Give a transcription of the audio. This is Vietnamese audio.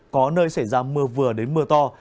có nơi xảy ra mưa vừa đến mưa to